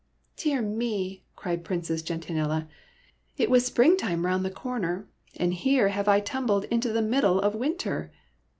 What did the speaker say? '' Dear me !" cried Princess Gentianella. '' It was springtime round the corner, and here have I tumbled into the middle of winter